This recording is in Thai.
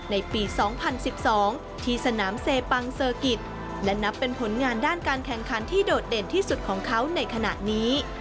ในปี๒๐๑๒ที่สนามเซปังเซอร์กิจและนับเป็นผลงานด้านการแข่งขันที่โดดเด่นที่สุดของเขาในขณะนี้